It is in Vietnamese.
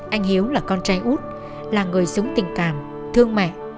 anh hiếu là con trai út là người sống tình cảm thương mẹ